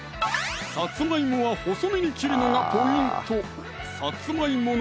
さつま芋は細めに切るのがポイント